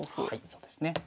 はいそうですね。